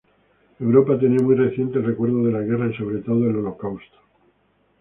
Europa tenía muy reciente el recuerdo de la guerra, y sobre todo el holocausto.